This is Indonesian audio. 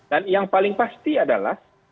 dan yang paling pasti adalah